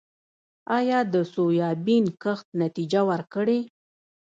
آیا د سویابین کښت نتیجه ورکړې؟